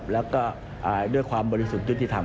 และก็ด้วยความบริสุทธิธรรม